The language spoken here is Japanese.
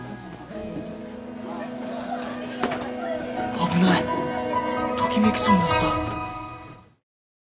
危ないときめきそうになった